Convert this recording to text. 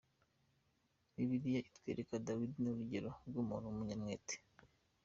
Bibiliya itwereka Dawidi nk'urugero rw'umuntu w'umunyamwete.